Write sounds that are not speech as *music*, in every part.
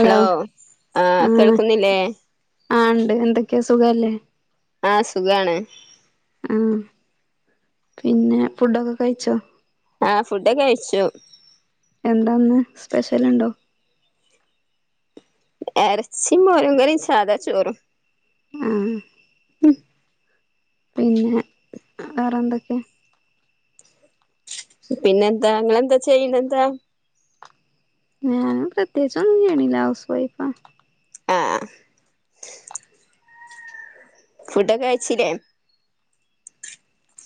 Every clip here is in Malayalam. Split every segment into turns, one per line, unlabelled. ഹലോ ആ
ആഹ്
കേൾക്കുന്നില്ലേ
ആ ഉണ്ട് എന്തൊക്കെയാ സുഖല്ലേ
ആ സുഖാണ്
ഉം പിന്നെ ഫുഡൊക്കെ കഴിച്ചോ?
ആ ഫുഡൊക്കെ കഴിച്ചു
എന്താന്ന് സ്പെഷ്യല്ണ്ടോ
ഇറച്ചി മോരും കറിം സാദാ ചോറും
ആ പിന്നെ വേറെന്തൊക്കെ?
പിന്നെന്താ ങ്ങളെന്താ ചെയ്യ്ണെന്ത?
ഞാന് പ്രത്യേകിച്ച് ഒന്നും ചെയ്യ്ണില്ല ഹൗസ് വൈഫാ
ആ ഫുഡൊക്കെ കഴിച്ചില്ലേ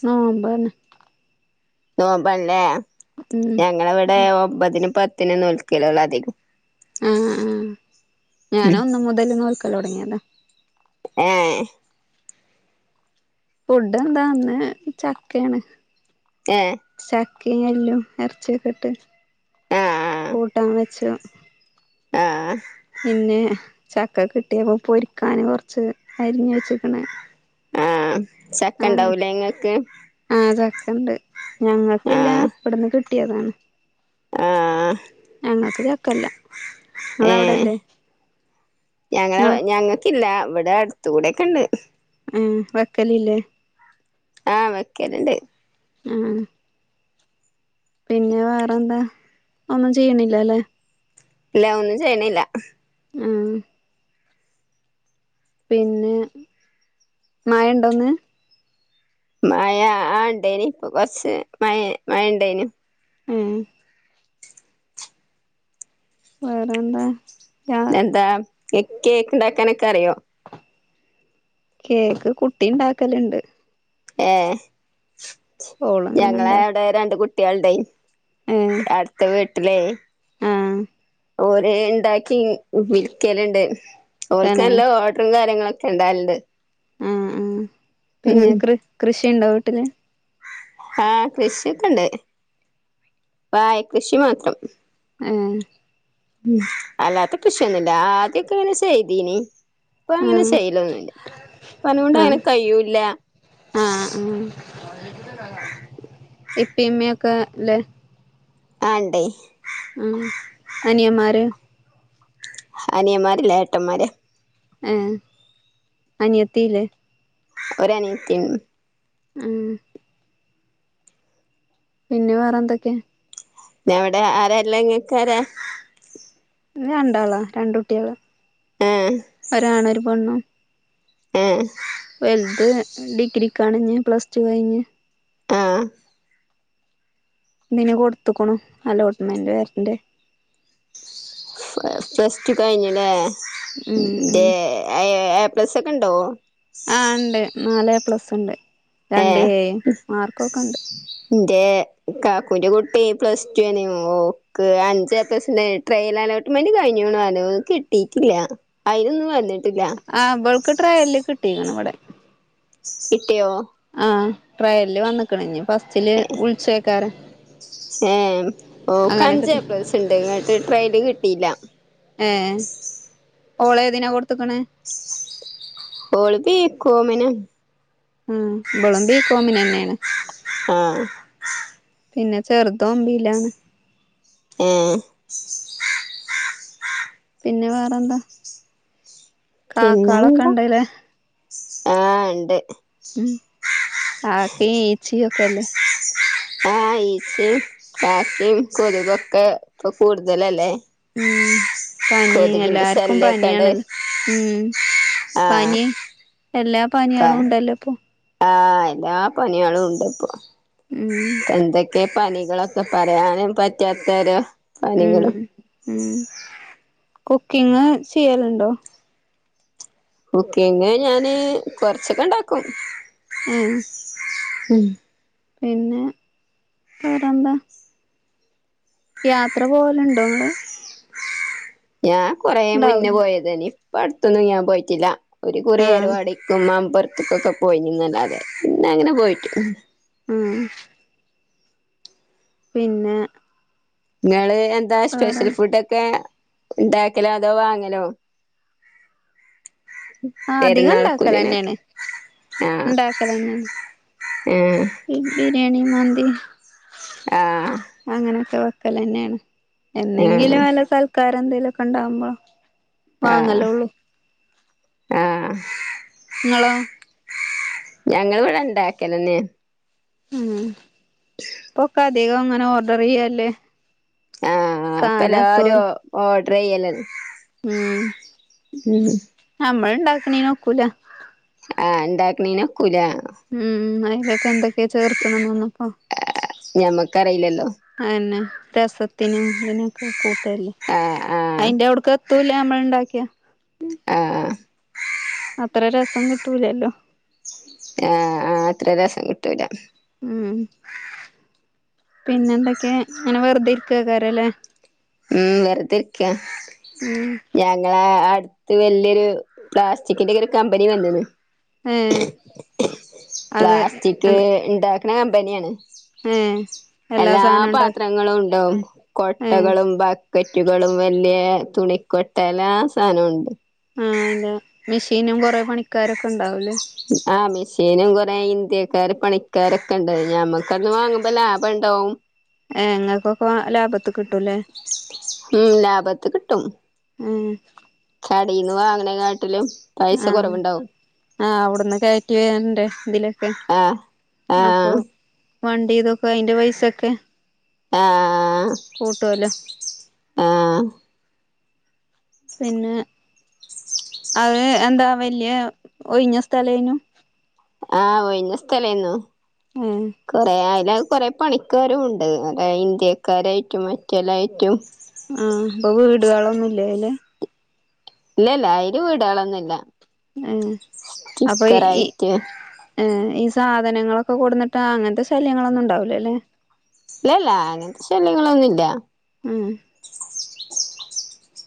നോമ്പ് ആണ്
നോമ്പണ്ല്ലേ ഞങ്ങളെവിടെ ഒമ്പതിനും പത്തി ത്തിനു നോൽകലെള്ളതികും
ആ ആ ഞാൻ
ഉം
ഒന്ന് മുതല് നോൽക്കലട്ങ്ങിയതാ
ഏ...
ഫുഡ് എന്താ ഇന്ന് ചക്കയാണ്
ഏ...
എല്ലും ഇറച്ചിയൊക്കെ ഇട്ട്- കൂട്ടാൻ വെച്ച്
ആ ആ
പിന്നെ ചക്ക കിട്ടിയപ്പോ പൊരിക്കാന് കൊറച്ച് അരിഞ്ഞ് വെച്ചിക്കണ്
ആ.. ചക്ക ഉണ്ടാവൂലെ ഇങ്ങക്ക്
കണ്ട് ഞങ്ങൾക്കില്ല ഇവിടന്ന് കി കിട്ടിയതാണ്
ആ
കല്ല
ഏ ഞങ്ങളെ
നിങ്ങള്
ഞങ്ങക്കില്ല ഇവിടെ അടുത്തൂടെ ഒക്കെ ഉണ്ട്
ഏഹ് വെക്കലില്ലേ
ആ വെക്കലിണ്ട്
ആ ആ പിന്നെ വേറെന്താ ഒന്നും ചെയ്യണില്ല അല്ലേ
ഇല്ല ഒന്നും ചെയ്യ്ണില്ല.
ആ പിന്നെ മഴ ഇൻണ്ടോന്ന്?
മഴ ആ ണ്ടേനി ഇപ്പൊ കൊറച്ച് മഴ മഴ ണ്ടേനു
ഏ വേറെന്താ? ഞാ
എന്താ കേ കേക്ക്ണ്ടാക്കാനൊക്കെ അറിയോ
കേക്ക് കുട്ടിണ്ടാക്കല്ണ്ട്
ഏഹ്
ഓളങ്ങനെ ഇണ്ടാ
ഞങ്ങളെവടെ രണ്ട് കു ട്ട്യാള്ണ്ടായി
ഏഹ്
അട്ത്ത വി ലെ
ആഹ്
ഓര് ഇണ്ടാക്കി വിൽക്കല്ണ്ട്
തന്നെ
ഓല്ക്കല്ലോ ഒഡാറും കാര്യങ്ങള ക്കെണ്ടാല്ണ്ട്
ആ ആ പിന്നെ കൃ കൃഷ് ഷിണ്ടോ വീട്ട്ല്
ആഹ് കൃഷിയൊക്കെണ്ട് വാഴകൃഷി മാത്രം
ഏഹ്
ഉം അല്ലാത്ത കൃഷിയൊന്നില്ല ആദ്യൊക്കെങ്ങനെ ചെയ്തിനി ഇപ്പം അങ്ങനെ
ആഹ്
ചെയ്യലൊന്നില്ല ഇപ്പനോട് അങ്ങനെ
ആഹ്
കയ്യൂല്ല
ആഹ് ആഹ് ക്കെല്ലേ
ആ ഇണ്ടേ
ആ അനിയമാര്
അനിയന്മാര്ല്ലേട്ടന്മാരാ
ഏ അനിയത്തില്ലേ
ഒരാനിയത്തിന്
ആ പിന്നെ വേറെ എന്തൊക്കെ
ഞ്ഞ്വ്ടെ ആരാള്ളേ ഇങ്ങക്കാരാ
ഞ്ഞ് രണ്ടാളാ രണ്ടുട്ട്യാള്
ആഹ്
ഒരാണോര് പെണ്ണു
ഏ
വല്ത് ഡിഗ്രി കാണിഞ്ഞ് പ്ലസ് ടു കഴിഞ്ഞ്
ആ
ന്നിന് കൊട്ത്ത്ക്ക്ണു അലോട്ട്മെന്റ് വരണ്ടേ
പ്ലസ് ടു കഴിഞ്ഞ്ല്ലേ
ഉം
ന്റെ
ഉം
*unintelligible* പ്ലസ്സൊക്കെണ്ടോ
ആ ഇണ്ട് നാലെ പ്ലസ്ണ്ട് രണ്ട് എയും മാർക്കൊക്കെണ്ട്
എന്റെ കാക്കുവിന്റെ കുട്ടി പ്ലസ്ടു ഓക്ക അഞ്ച പ്ലസ് ട്രയൽ അലോട്ട്മെന്റ് കഴിഞ്ഞ വ കിട്ടിട്ടില്ല അതിനൊന്നും വന്നിട്ട് ഇല്ല
ട്രയല് കിട്ടിങ്ങ ഇവിടെ
കിട്ടിയോ
ആ ട്രയല് വന്നക്കണിഞ്ഞു ഫസ്റ്റില് ഉൾസക്കാറ്
ഏർ ഓൾക്ക് അഞ്ച് ഏ
കിട്ടി
പ്ലസ് ഉണ്ട് ഇങ്ങോട്ട് ട്രയല് കിട്ടില്ല
ഓള ഏതിനാ കൊടുത്തക്കണ്
ഓള്ള ബി കോമിന്
ആഹ ഇവളും ബി കോമിനന്നെയാണ്
ആ
പിന്നെ ചെറുതോമ്പിയിലാണ്
ആഏ
പിന്നെ വേറെന്താ
പിന്നെ
കാക്കാളൊക്കെ
എന്താ
ഇണ്ട്ല്ലേ
ആഹ ഉണ്ട്
ഉം ആക്ക ഇച്ച ഒക്കല്ല
ആഹ ഈച്ചയും കാക്കയും കൊതുവൊക്കെ ഇപ്പൊ കൂടുതലല്ലേ
ഉം പനി
കൊതുകിന്റെ
എല്ലാർക്കും
ശല്യൊക്കെണ്ട്
പനിയണല്ലോ ഉഠ ഉം
ആഹ്
പനി എല്ലാം
പ
പനിയാളു ഉണ്ടല്ലോ ഇപ്പോ
ആഹ് എല്ലാ പനികളും ഉണ്ട് ഇപ്പോ
ഉം
എന്തെക്ക് ക്കേ പനികളൊക്കെ പറയാനും പറ്റാത്തരു
ഉം ഉം കുക്കിംഗ് ചെയ്യലുണ്ടോ
കുക്കിംഗ് ഞാന് കൊറച്ചൊക്കെ ഇണ്ടാക്കും
ഉം
ഉം
പിന്നെ വേറെന്താ യാത്ര പോവല്ണ്ടോ ഇങ്ങള്
ഞാൻ കൊറേ മുന്നെ
ഇണ്ടാവൂലേ
പോയതനി ഇപ്പടുത്തൊന്നും ഞാൻ പോയിറ്റില്ലാ ഒരു കുറി
ആഹ്
ഏർവാടിക്കും മമ്പൊരത് ത്ത്ക്കൊക്കെ പോയിനീന്നല്ലാതെ പിന്നങ്ങനെ പോയിറ്റു
ഉം പിന്നെ
ങ്ങള് എന്താ ശ്പെഷൽ
വേറെ
ഫുഡൊക്കെ ഇണ്ടാക്കലോ അതോ വാങ്ങലോ
ആ അധികം
പെരുന്നാൾക്കുതിനൊക്കെ
ഇണ്ടാക്കലന്നേണ്
ആഹ്
ഇണ്ടാക്കലന്നെ
ഏഹ്
ഇം ബിരിയാണി മന്തി
ആഹ്
അങ്ങനെയൊക്കെ വെക്ക് ക്കലന്നേണ്
ആഹ്
എന്നെങ്കിലും വല്ല സൽക്ക് ക്കാരെന്തേലൊക്കെണ്ടാവുമ്പോ
ആഹ്
വാങ്ങലൊള്ളു
ആഹ്
ഇങ്ങളോ
ഞങ്ങളിവിടെ ഇണ്ടാക്കലന്നേ
ഉം പൊക്കധ് ധികോം അങ്ങനെ ഓർഡറെയ്യല്ലേ
ആഹ് അപ്പ എല്ലാരും ഓ ഓഡ് ഡ്റെയ്യലൻ
ഉം
ഉം
ഉണ്ടാക്കണേ നോക്കൂല
ആ എന്താക്കനീന
ഉം അയിലൊക്കെ എന്തക്കെയ ചേർക്ക കക്കണം വന്നപ്പം
ഞമ്മക്കറിയില്ലല്ലോ
രസത്തിനും ഇതിനൊക്കെ കൂ ല്ലേ
ആഹ് ആഹ്
അയിന്റെ അവിടുക്ക തുലാമേണ്ടാക്യാ
ആഹ്
അത്ര രസം കിട്ടൂലല്ലോ
ആഹ ആ അത്ര രസം കിട്ടൂല
ഉം പിന്നെ എന്തൊക്കെയാ അങ്ങനെ വെറുതെ ഇരിക്കാക്കാരല്ലെ
ഉം വെറുതെരിക്കാ
ഉം
ഞങ്ങളെ ത്ത് വലിയൊരു പ്ലാസ്റ്റിക്കിന്റെ ഒക്കെ ഒരു കമ്പനി വന്നണ്
ഏ അത്
പ്ലാസ്റ്റിക്
എന്ത്
ഇണ്ടാ കന കമ്പനിയാണ്
ഏ
എല്ലാ
സാധനവും ഉണ്ടാക്കും
പാത്രങ്ങളും ഉണ്ടാവും
ഏ
കൊട്ടകളും പക്കറ്റുകളും വലിയ തുണിക്കൊട്ട എല്ലാ സാധനമുണ്ട്
ആഹ് മെഷീനും കൊറെ പണിക്കാരൊക്കെ ഉണ്ടാവൂലേ
ആഹ മെഷീനും കൊറെ ഇന്ത്യക്കാര് പണിക്കാരൊക്കെ ഇണ്ട് ഞമ്മക്കന്ന് വാങ്ങുമ്പോ ലാഭം ഉണ്ടാവും
ങ്ങൾക്കൊക്കെ ലാഭത്തി കിട്ടൂലേ
ഉം ലാഭത്ത് കിട്ടും
ഏ
കടേന്ന് വാങ്ങണ് കാട്ടിലും
ആഹ ആഹ് അവിടുന്ന് കയറ്റി വരണ്ടെ
ആഹ ആഹ്
വണ്ടി ഇതൊക്കെ അയിന്റെ പൈസൊക്കെ
ആ
കൂട്ടുവല്ലോ
ആഹ്
പിന്നെ അത് എന്താ വലിയ ഒഴിഞ്ഞ സ്ഥലേനു
ആഹ് ഒഴിഞ്ഞ സ്ഥലന്നു
ഏ
കൊറയി അല്ല കൊറെ പണിക്കാരും ഉണ്ട് അ ഇന്ത്യക്കാരായിട്ടും മറ്റെല്ലായിട്ടും
ആഹ് അപ്പൊ വീടുകളൊന്നുംല്ല അല്ലേ
ഇല്ലല്ല അയിര് വീടുകളുകളൊന്നു ഇല്ല
ആഹ് അപ്പൊ ഈ ഏ ഈ സാധനങ്ങളൊക്കെ കൊടുന്നിട്ട് അങ്ങനത്തെ ശല്യങ്ങളൊന്നും ഉണ്ടാവലല്ലേ
ഇല്ലല്ല അങ്ങനത്തെ ശല്യങ്ങളൊന്നും ഇല്ല
ആഹ്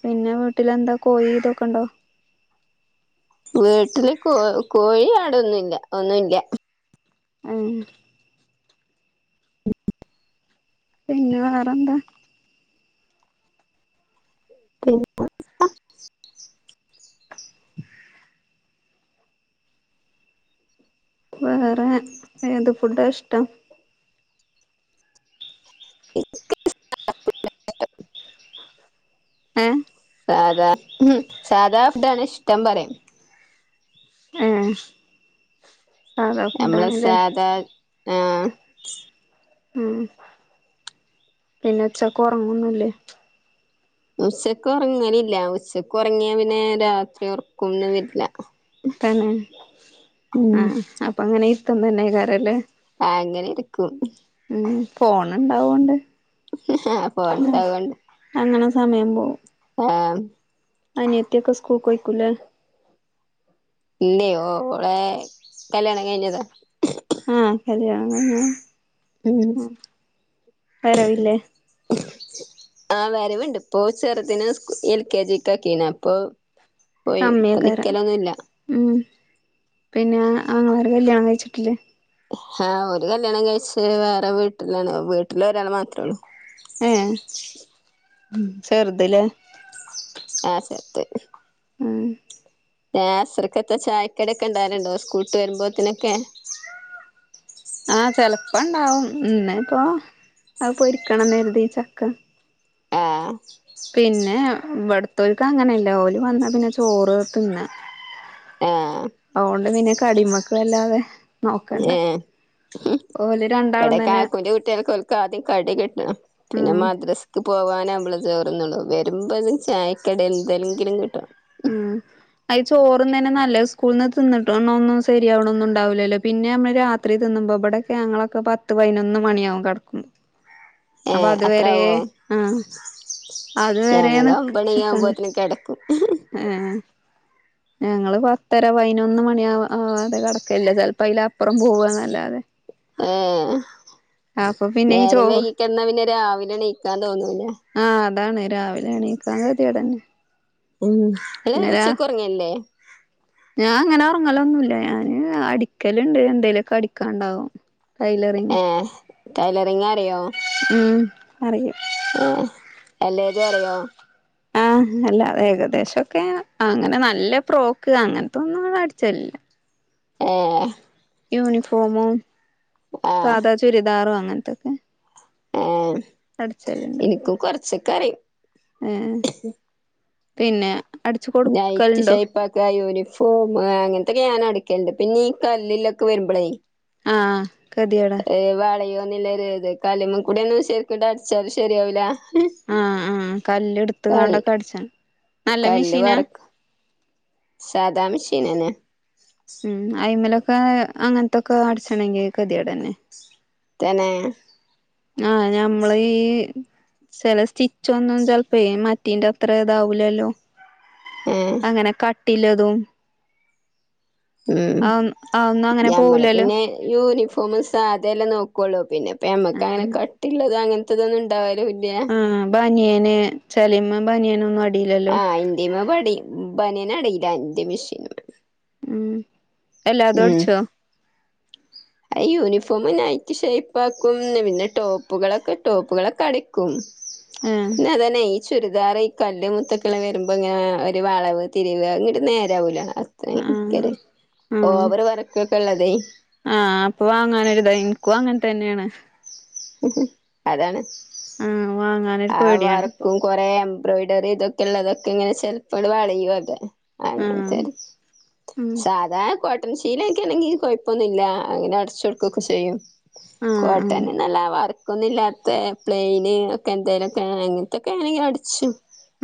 പിന്നെ വീട്ടിലെന്താ കോഴി ഇതൊക്കെണ്ടോ
വീട്ടില് കോ കോഴി ആട്‌ ഒന്നുംല്ല ഒന്നുമില്ല
ആ പിന്നെ വേറെന്താ
പിന്നെന്താ
ശ് വേറെ ഏത് ഫുഡ് ആ ഇഷ്ടം
ഒന്നും കേൾക്കുന്നില്ല
ഏഹ്
സാധാ സാധാ ഫുഡ് ആണ് ഇഷ്ടം പറയ
ആ
നമ്മളെ സാധാ ആഹ് ഷ്
ഉം പിന്നെ ഉച്ചക്ക് ഉറങ്ങുന്നുല്ലേ
ഉച്ചക്ക് ഉറങ്ങനില്ല ഉച്ചക്ക് ഉറങ്ങിയ പിന്നെ രാത്രി ഉറകം ഒന്നു വരില്ല
തന്നെ
ഉം
ആഹ് അപ്പൊ അങ്ങനെ തിന്നന യ്കാരല്ലേ
ആ അങ്ങനെ ഇരിക്കും
ഫോൺ ഉണ്ടാവോണ്ട്
ഇപ്പൊ ഉണ്ടാവോണ്ട്
സമയ പോവും
ആ
അനിയത്തിയൊക്കെ സ്കൂൾ കൊയിക്കൂലേ
ഇല്ലേ ഓളെ കല്യാണം കഴിഞ്ഞത
ആഹ് കല്യാണം കഴിഞോ ഉം വരവില്ലേ
ആവരവുണ്ട് ഇപ്പോചെറുതിന് എൽ കെ ജിഅക്കീണ് അപ്പൊ പോയി ഇപ്പൊ
കമിയെയ്
നിക്കലൊന്നുല്ല
ക്കാരംഉം പിന്നെ ആങ്ങ ളാർ കല്യാണം കഴിച്ചിട്ടില്ലേ
ആഹ് ഒരു കല്ല്യാണം കഴിച്ച് വേറെ വീട്ടിലാണ് വീട്ടിൽ ഒരാളെ മാത്രേള്ളൂ
ഏ ചെറുത് ലേ
ആഹ് ചെറുത്
ആ
അസ്രക്കത്തെ ചായക്കടൊക്കെ ഉണ്ടായിരുണ്ടോ സ്കൂള്ട്ട് വരുമ്പോത്തിനൊക്കെ
ഉന്നെ ഇപ്പൊ അത് പൊരിക്കണംന്ന് കരുതി ചക്ക
ആ
പിന്നെ വെടത്തൊൽക്ക് അങ്ങനെ ഓല് വന്നാ പിന്നെ ചോറ് തിന്നാ
ആഹ്
അതുകൊണ്ട് പിന്നെ കടിമക്ക് വല്ലാതെ
ഏ
നോക്കണ്ട ഓല് രണ്ടാളും
ഇവിടെ
തന്നെ
കാക്കുൻ്റെ കുട്ടികൾക്ക് ആദ്യം കടി കിട്ടണം പിന്നെ
ഉം
മദ്രസക്ക് പോവാനാവുമ്പള് ചോറ്ന്നുള്ളൂ വരുമ്പോതു ചായക്കടി എന്തിലെങ്കിലും കിട്ടും
ഉം അയ് ചോറ്ന്നന്നെ നല്ല സ്കൂള നിന്ന് തിന്നിട്ടു ഒന്നും ശരിയാവണൊന്നും ഉണ്ടാവില്ലല്ലോ പിന്നെ നമ്മള് രാത്രി തിന്നുമ്പോ ഇബിടൊക്കെ ഞങ്ങളൊക്കെ പത്ത് പതിനൊന്ന് മണിയാവും കിടക്കു അപ്പൊ
ഏഹ്
അതുവരെ
അത്രാവോ
ആ അതുവരെ
ഞങ്ങള് ഒമ്പണി
നിക്കാണ്
ആവുമ്പോത്തിന് കെടക്കും
ഏ ഞങ്ങള് പത്തര പതിനൊന്ന് മണിആവാതെ കിടക്കല്ല ചിലപ്പോ അതിലപ്പുറം പോവാന്നല്ലാതെ
ഏ
അപ്പൊ പിന്നെ ഈ
നേരം
ചോറ്
വയ്യിക്കണ്ടാ പിന്നെ രാവിലെ എണീ ക്കാൻ തോന്നൂല ആ
ആഹ് അതാണ് ഈ രാവിലെ എണ്ണീക്കാ തെ കെതേടെന്നെ
ഉം ഇല്ല ഉച്ചക്ക് ഉറങ്ങേല്ലേ
ഞാൻ അങ്ങനെ ഉറങ്ങലൊന്നുമല്ല ഞാന് അടിക്കല് ഇണ്ട് എന്തേലൊക്കെ അടിക്കാനു ണ്ടാവും
ഏ ടൈലെ *unintelligible*
ഉം അറിയ
ഏ അല്ലേതും അറിയോ
ആ അല്ലേകദേശോക്കെ അങ്ങനെ നല്ല പ്രോക്ക് അങ്ങനത്തൊന്നും അടിച്ചെല്ല
ഏ
യൂണിഫോമും സാധാ ചുരിദാറുആ അങ്ങനത്തൊക്കെ
എം
അടച്ചലുണ്ട്
ശിക്കാരി
ഏ പിന്നെ അടിച്ചു
നൈറ്റി
കൊടുക്കലുണ്ടോ
ശൈപ്പാക്ക യൂണിഫോമേ അങ്ങനത്തൊക്കെ ഞാനടി ക്കിണ്ട് പിന്നീ കല്ലിലൊക്കെ വരുമ്പളേ
ആ ആ കടിയെടാ
ല്ല അതെ അതേ ഒരു ഇത് കല്മ്മ കൂടെ ഒന്നും ശരിക്കെ ഡാൻസികാരെ ശരിയാവില്ല
ആ ആ കല്ല് എടുത്ത് കാണ്ടൊക്കെ അടിച്ച
കല്ല് പെറക് സദാ മിഷീൻ ഇനന്നെ
ഉം ആയിമലൊ പായ് അങ്ങനത്തൊക്കെ അടിച്ചണെ ങ്കിൽ കതിയാ തന്നെ
തന്നെ
ആ ഞമ്മള ഈ ചില സ്റ്റിച്ച് ഒന്നും ചെലപ്പോ മറ്റേന്റെ അത്ര ഇതാവൂലല്ലോ
ഏഹ്
അങ്ങനെ ക ല്ലതും
ഉം
അതൊന്നും അങ്ങനെ
ഞമ്മള്
പോവൂലല്ലോ
പിന്നെ യൂണിഫോമ സാധ എല്ലാം നോക്കുള്ളൂ പിന്നെപ്പ മ്മക്ക് അങ്ങനെ കട്ടിള്ളത് അങ്ങന തത് ണ്ടാവ
ആഹ് ബനിയന് ചലിമാ ബനിയന് ഒന്നും അ
ആ ഇന്ത്യമ പടി ബനേൻ അടയി ൻന്റെ മെഷീന്
ഉം എല്ലാതോടിച്ചോ
അ യൂണിഫോം നൈറ്റി ഷേപ്പ് ആക്കും പിന്നെ ടോപ്പുകളൊക്കെ ടോപ്പുകളൊക്കെ അടിക്കും
ആഹ്
നതന്ന ചുരിദാർ ഈ കല്ല് മുത്തക്കള് വരുമ്പോങ്ങനെ ഒരു വളവ് തിരിവ് അങ്ങിട്ട് നേരാവലാണ്
ആഹ്
*unintelligible*
ആഹ്
ഓവറ് വർക്കൊക്കെ ഉള്ളത്
ഇപ്പ വാങ്ങാനൊരിത് എനിക്കു അങ്ങന തന്നെയാണ്
അതാണ്
ആഹ് വാങ്ങാനൊരു
ആ
പേടിയാണ് ഇപ്പൊ
വർക്കും കൊറേ എംബ്രോയ്ഡറി ഇതൊക്കെ ഉള്ളതൊക്കെ ഇങ്ങനെ ചിലപ്പള് വളയും അത് അങ്ങനെ
ആഹ്
*unintelligible*
ഉം
സാധാ പ പത്തം ശീല ഒക്കെ ഏണെങ്കി കൊഴപ്പൊന്നുല്ല അങ്ങനെ അടച്ച് കൊട്ക്കൊക്കെ ചെയ്യും
ആഹ് ആഹ്
കോട്ടന് നല്ല വർ ഒന്നില്ലാത്ത പ്ലെയിന് ക്കെന്തേലൊക്കെ അങ്ങൻത്തൊക്കെ *unintelligible* അടിച്ചും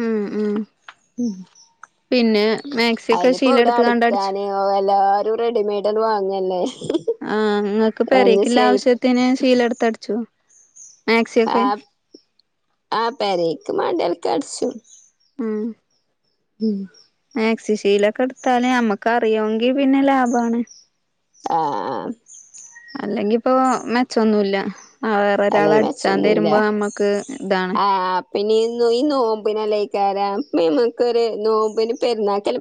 ഉം ഉം
ഉം
പിന്നെ മാക്സി ഒക്കെ ശീല ഇടുത്ത് കാണ്ട് അടിച്ചു
റെഡിമെയ്ഡ അണ്ട് വാങ്ങല്ലെ
ആഹ് ഇങ്ങക്ക് പെരേക്ക്ള്ള ആവശ്യത്തിന് ശീലെടുത്ത് അട് ചൊ
ആഹ് ആഹ് പെരേക്ക് മാണ്ട്യാേൽക്കട്ച്ചു
ഉം
ഉം
മാക്സിഷീലൊക്കെ ഇടുത്താല് ഞമ്മക്ക് അറിയൊങ്കി പിന്നെ ലാഭാണ്
ആഹ് ആഹ്
അല്ലെങ്കി ഇപ്പോ മെച്ചൊന്നുല്ല ആഹ് വേറെ ഒരാൾ
അല്ലെങ്കി
അട്ച്ചാ
മെച്ചൊന്നുല്ല
തെരുമ്പോ നമ്മക്ക് ഇതാണ്
ആ പിന്നെ ഈ നോമ്പിനലൈക്കാരം മിമ്ക്കൊരു നോമ്പിന് പെരുന്നാക്കല്ലെ